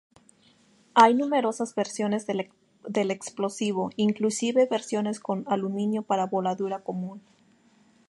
Hay numerosas versiones del explosivo, inclusive versiones con aluminio para voladura común.